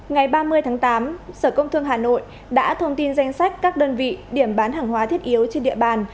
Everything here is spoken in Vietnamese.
ngày ba mươi tháng tám sở công thương hà nội đã thông tin danh sách các đơn vị điểm bán hàng hóa thiết yếu trên địa bàn